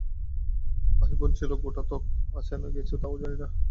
ভাইবোন ছিল গোটাকতক, আছে না গেছে তাও জানি না।